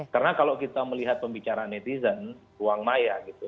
karena kalau kita melihat pembicara netizen uang maya gitu